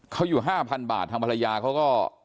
เขาอยู่๕๐๐๐บาททางภรรยาเขาก็